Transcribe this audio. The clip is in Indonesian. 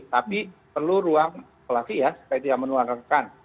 tapi perlu ruang pelaki ya seperti yang menurunkan